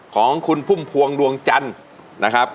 ของคุณพุ่มพวงดวงจันทร์นะครับ